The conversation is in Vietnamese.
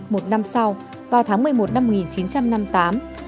một năm sau vào tháng một mươi một năm một nghìn chín trăm năm mươi tám